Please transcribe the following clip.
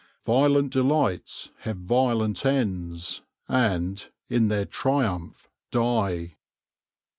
" Violent delights have violent ends, And, in their triumph, die."